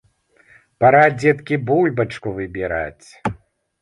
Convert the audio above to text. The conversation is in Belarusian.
Пара, дзеткі, бульбачку выбіраць.